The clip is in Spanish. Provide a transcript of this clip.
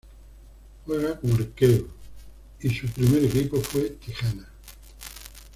Juega como arquero y su primer equipo fue Tijuana.